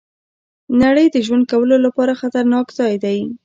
نړۍ د ژوند کولو لپاره خطرناک ځای دی.